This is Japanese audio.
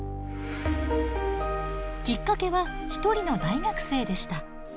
きっかけは一人の大学生でした。